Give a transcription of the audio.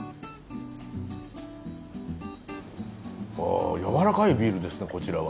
あやわらかいビールですねこちらは。